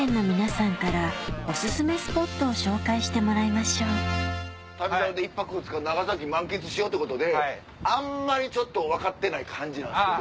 まずは『旅猿』で１泊２日長崎満喫しようってことであんまりちょっと分かってない感じなんですけど。